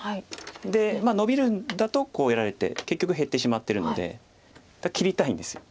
でノビるんだとこうやられて結局減ってしまってるので切りたいんです。